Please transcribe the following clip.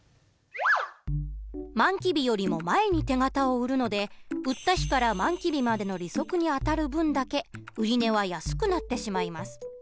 満期日よりも前に手形を売るので売った日から満期日までの利息に当たる分だけ売値は安くなってしまいます。